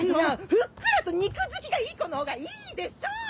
ふっくらと肉づきがいい子の方がいいでしょ。